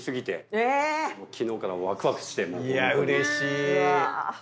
いやうれしい！